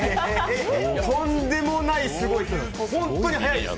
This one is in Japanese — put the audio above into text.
とんでもないすごい、ホントに速いです。